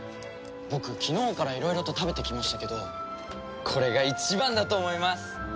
僕昨日からいろいろと食べてきましたけどこれが一番だと思います！